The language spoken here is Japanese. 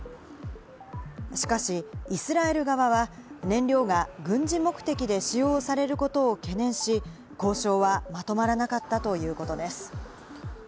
しかしイスラエル側は燃料が軍事目的で使用されることを懸念し、交渉はまとまらなかったということです。